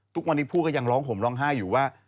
ทุกวันนี้ผู้ก็ยังร้องห่มร้องไห้อยู่ว่า